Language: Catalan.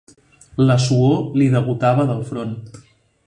La suor li degotava del front.